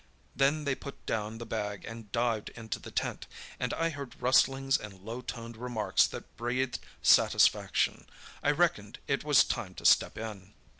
Then they put down the bag and dived into the tent, and I heard rustlings and low toned remarks that breathed satisfaction. I reckoned it was time to step in.